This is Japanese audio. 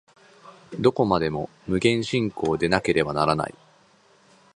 どこまでも無限進行でなければならない。